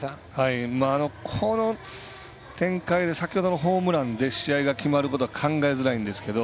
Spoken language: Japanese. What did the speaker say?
この展開で先ほどのホームランで試合が決まることは考えづらいんですけど